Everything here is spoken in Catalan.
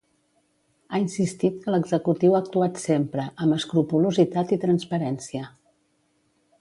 Ha insistit que l’executiu ha actuat ‘sempre’ amb escrupolositat i transparència.